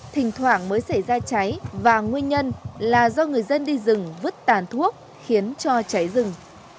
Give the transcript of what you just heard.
thỉnh thoảng mới xảy ra cháy và nguyên nhân là do người dân đi rừng vứt tàn thuốc khiến cho cháy rừng